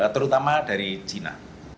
terutama dari china